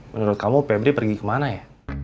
menurut kamu pebri pergi kemana ya